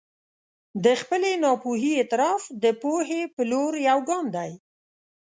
د خپلې ناپوهي اعتراف د پوهې په لور یو ګام دی.